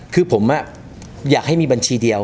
คือผมอยากให้มีบัญชีเดียว